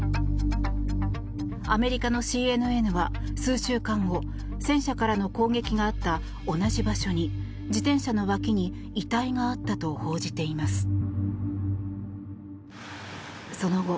アメリカのＣＮＮは数週間後戦車からの攻撃があった同じ場所に自転車の脇に遺体があったと報じています。